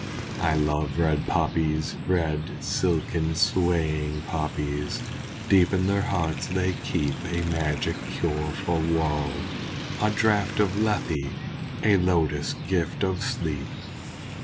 I love red poppies! Red, silken, swaying poppies! Deep in their hearts they keep A magic cure for woe a draught of Lethe A lotus gift of sleep.